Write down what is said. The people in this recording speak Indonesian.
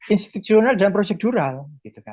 institusional dan prosedural gitu kan